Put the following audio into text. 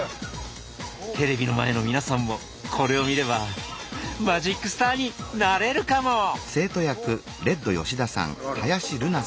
テレビの前の皆さんもこれを見ればマジックスターになれるかも⁉おお！